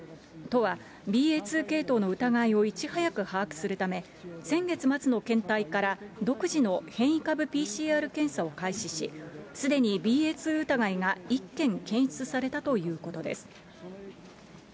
都はＢＡ．２系統の疑いをいち早く把握するため、先月末の検体から独自の変異株ＰＣＲ検査を開始し、すでにＢＡ．２疑いが１件検出されたということです。